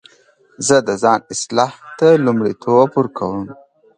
زه د ځان اصلاح ته لومړیتوب ورکوم.